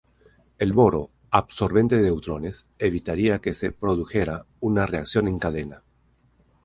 El boro, absorbente de neutrones, evitaría que se produjera una reacción en cadena.